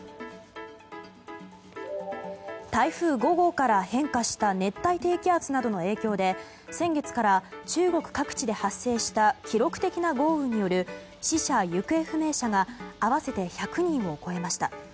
台風５号から変化した熱帯低気圧などの影響で先月から中国各地で発生した記録的な豪雨による死者・行方不明者が合わせて１００人を超えました。